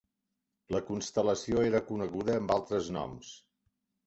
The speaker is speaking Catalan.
La constel·lació era coneguda amb altres noms.